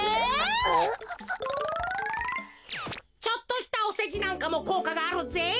ちょっとしたおせじなんかもこうかがあるぜ。